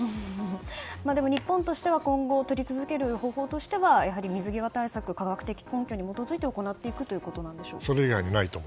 でも日本としては今後取り続ける方法としてはやはり水際対策を科学的根拠に基づいて行っていくということでしょうか。